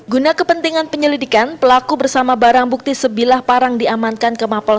guna kepentingan penyelidikan pelaku bersama barang bukti sebilah parang diamankan ke mapol